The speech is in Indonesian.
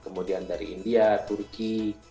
kemudian dari india turki